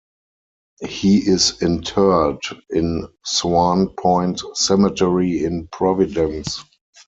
He is interred in Swan Point Cemetery in Providence.